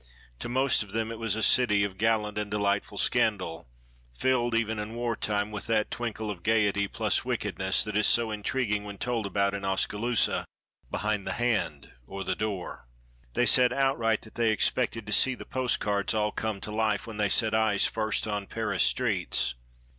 To most of them it was a city of gallant and delightful scandal, filled even in war time with that twinkle of gayety plus wickedness that is so intriguing when told about in Oscaloosa, behind the hand or the door. They said outright that they expected to see the post cards all come to life when they set eyes first on Paris streets.